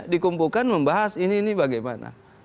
dikumpulkan membahas ini bagaimana